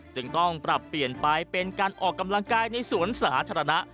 จึงต้องปรับเปลี่ยนไปเป็นการออกกำลังกายในสวนสาธารณะ